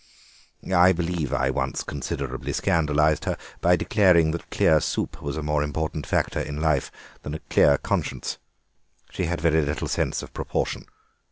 "I believe I once considerably scandalised her by declaring that clear soup was a more important factor in life than a clear conscience. She had very little sense of proportion.